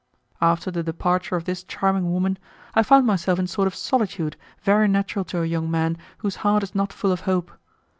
After the departure of this charming woman, I found myself in sort of solitude very natural to a young man whose heart is not full of hope.